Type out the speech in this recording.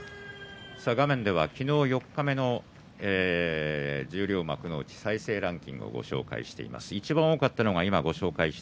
画面では昨日の四日目の十両幕内再生ランキングをご紹介しています。